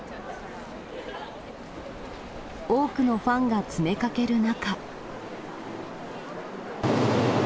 多くのファンが詰めかける中。